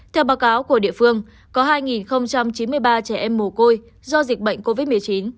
theo báo cáo của địa phương có hai chín mươi ba trẻ em mồ côi do dịch bệnh covid một mươi chín